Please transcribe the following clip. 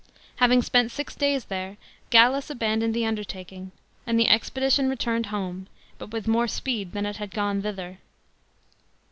Having spent six days there, Gullus abandoned the undertaking, and the expedition returned home, but with more speed than it had pone thither.